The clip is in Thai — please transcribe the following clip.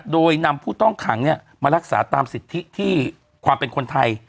โดยนำผู้ต้องขังมารักษาตามสิทธิที่ความเป็นคนไทย